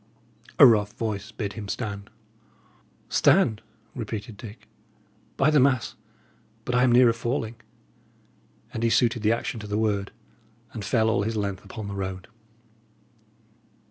A rough voice bid him stand. "Stand?" repeated Dick. "By the mass, but I am nearer falling." And he suited the action to the word, and fell all his length upon the road.